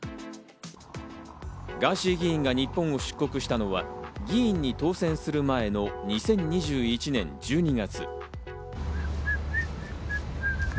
ガーシー議員が日本を出国したのは、議員に当選する前の２０２１年１２月。